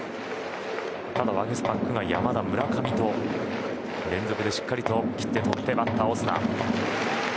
ただ、ワゲスパックが山田、村上と連続でしっかり切って取ってバッターはオスナ。